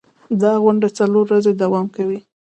دا غونډه څلور ورځې دوام کوي.